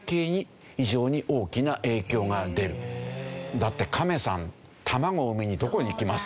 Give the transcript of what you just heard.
だってカメさん卵を産みにどこに行きます？